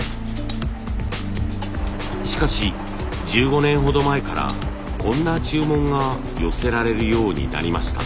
しかし１５年ほど前からこんな注文が寄せられるようになりました。